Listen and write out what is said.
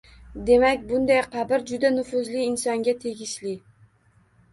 Demak, bunday qabr juda nufuzli insonga tegishli.